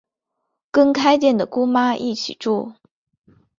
跟开店的姑妈一起住